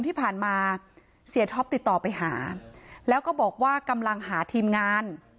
เพราะไม่มีเงินไปกินหรูอยู่สบายแบบสร้างภาพ